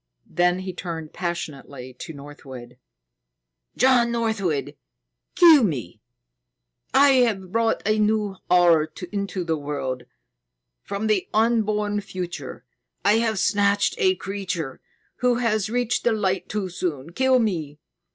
Then he turned passionately to Northwood. "John Northwood, kill me! I have brought a new horror into the world. From the unborn future, I have snatched a creature who has reached the Light too soon. Kill me!"